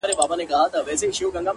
هغې ويل په پوري هـديــره كي ښخ دى ـ